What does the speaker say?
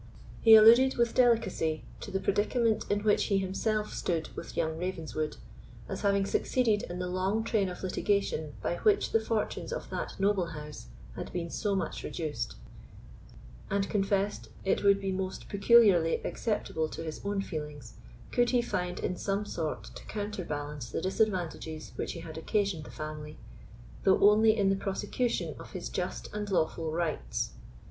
He alluded with delicacy to the predicament in which he himself stood with young Ravenswood, as having succeeded in the long train of litigation by which the fortunes of that noble house had been so much reduced, and confessed it would be most peculiarly acceptable to his own feelings, could he find in some sort to counterbalance the disadvantages which he had occasioned the family, though only in the prosecution of his just and lawful rights.